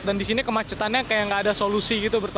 dan di sini kemacetannya kayak tidak ada solusi